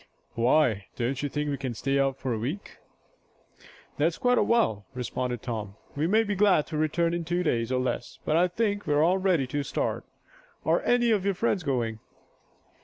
"Why, don't you think we can stay out a week?" "That's quite a while," responded Tom. "We may be glad to return in two days, or less. But I think we're all ready to start. Are any of your friends going?"